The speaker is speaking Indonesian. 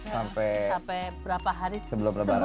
sampai berapa hari sebelum